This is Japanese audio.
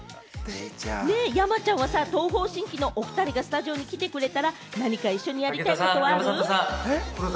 山ちゃんは東方神起のお２人がスタジオに来てくれたら、何か一緒にやりたいことはある？